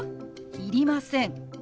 「いりません」。